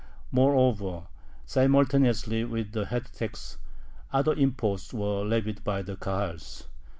Moreover, simultaneously with the head tax other imposts were levied by the Kahals.